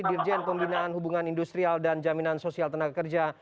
dirjen pembinaan hubungan industrial dan jaminan sosial tenaga kerja